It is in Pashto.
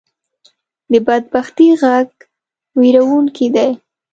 د بدبختۍ غږ وېرونکې دی